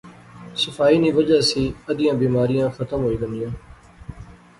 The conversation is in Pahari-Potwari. صفائی نی وجہ سی ادیاں بیماریاں ختم ہوئی غنیاں